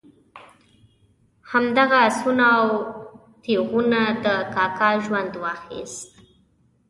همدغه آسونه او تیغونه د کاکا ژوند واخیست.